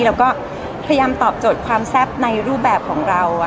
แล้วก็พยายามตอบโจทย์ความแซ่บในรูปแบบของเรา